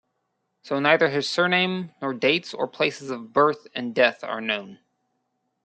So, neither his surname, nor dates or places of birth and death are known.